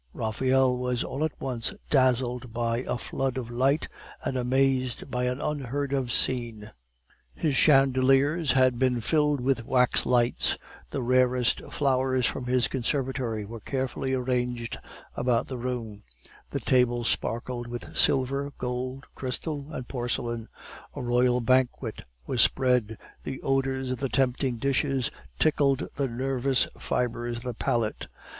Raphael was all at once dazzled by a flood of light and amazed by an unheard of scene. His chandeliers had been filled with wax lights; the rarest flowers from his conservatory were carefully arranged about the room; the table sparkled with silver, gold, crystal, and porcelain; a royal banquet was spread the odors of the tempting dishes tickled the nervous fibres of the palate.